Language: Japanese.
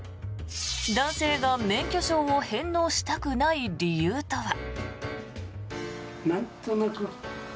男性が免許証を返納したくない理由とは。